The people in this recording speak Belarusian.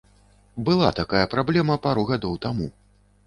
Была такая праблема пару гадоў таму.